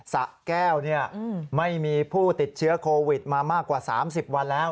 สะแก้วไม่มีผู้ติดเชื้อโควิดมามากกว่า๓๐วันแล้ว